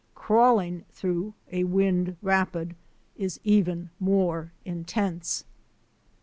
Crawling through a wind rapid is even more intense.